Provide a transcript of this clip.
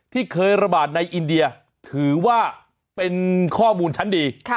ที่เคยระบาดในอินเดียถือว่าเป็นข้อมูลชั้นดี